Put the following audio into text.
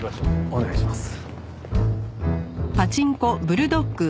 お願いします。